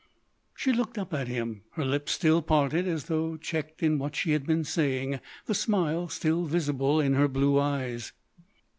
She looked up at him, her lips still parted as though checked in what she had been saying, the smile still visible in her blue eyes.